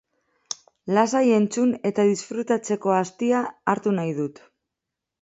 Lasai entzun eta disfrutatzeko astia hartu nahi dut.